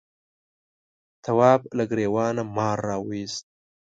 تواب له گرېوانه مار راوایست.